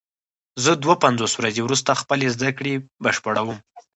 زه دوه پنځوس ورځې وروسته خپلې زده کړې بشپړوم.